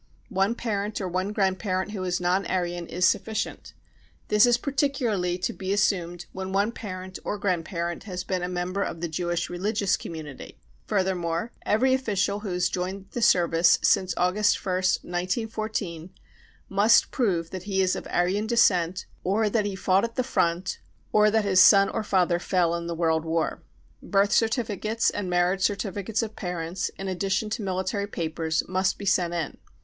One parent or one grandparent who is non Aryan is sufficient. This is particularly to be assumed when one parent or grandparent has been a member of the Jewish religious community. Further more, every official who has joined the service since August ist, 1914, must prove that he is of Aryan descent or that he fought at the front or that his son or father fell in the world war. Birth certificates and marriage certificates of parents, in addition to military papers, must be sent in.